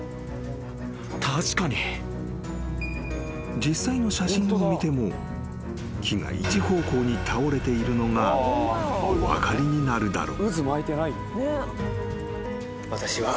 ［実際の写真を見ても木が一方向に倒れているのがお分かりになるだろう］